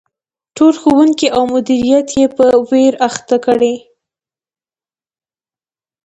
ټول ښوونکي او مدیریت یې په ویر اخته کړي.